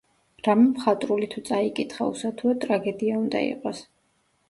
რამე მხატვრული თუ წაიკითხა, უსათუოდ ტრაგედია უნდა იყოს.